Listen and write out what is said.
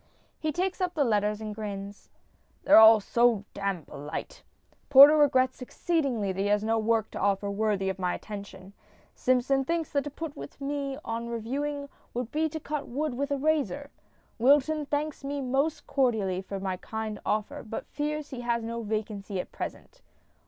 %, [He takes up the letter s> and grins. ~] They're all so damned polite. Porter regrets exceedingly that he has no work to offer worthy of my attention ; Simpson thinks that to put me on to reviewing would be to cut wood with a razor; Wilton thanks me most cordially for my kind offer, but fears he has no vacancy at present.